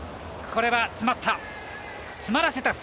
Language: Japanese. これは詰まった当たり。